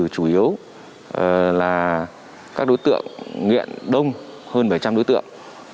chủ yếu là các đối tượng nghiện đông hơn bảy trăm linh đối tượng